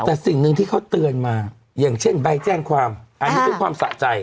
แต่สิ่งหนึ่งที่เขาเตือนมาอย่างเช่นใบแจ้งความอันนี้เป็นความสะใจ